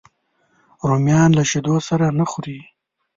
رومیان له شیدو سره نه خوري